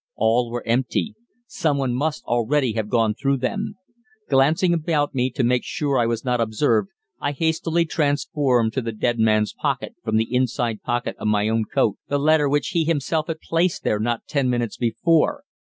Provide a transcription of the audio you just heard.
All were empty someone must already have gone through them. Glancing about me to make sure I was not observed, I hastily transferred to the dead man's pocket, from the inside pocket of my own coat, the letter which he himself had placed there not ten minutes before.